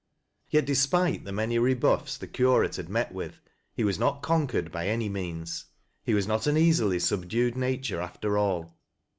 Tet, despite the many rebuffs the curate had met with, he was not con. quei'ed by any means. His was not an easUy subdued nature, after all.